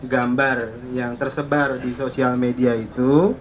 gambar yang tersebar di sosial media itu